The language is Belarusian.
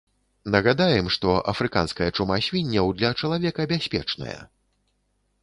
Нагадаем, што афрыканская чума свінняў для чалавека бяспечная.